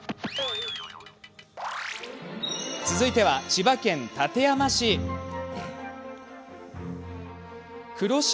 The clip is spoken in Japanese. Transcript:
続いては、千葉県館山市から。